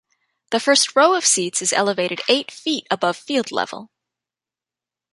The first row of seats is elevated eight feet above field level.